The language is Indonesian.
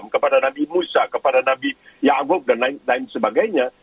kepada nabi musa kepada nabi ya agub dan lain lain sebagainya